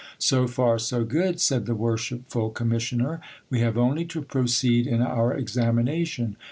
So far, so good ! said the worshipful commissioner ; we have only to proceed in our examination.